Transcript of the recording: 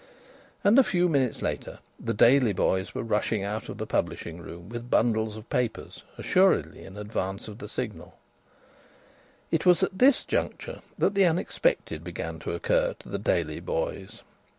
And a few minutes later the Daily boys were rushing out of the publishing room with bundles of papers assuredly in advance of the Signal. It was at this juncture that the unexpected began to occur to the Daily boys.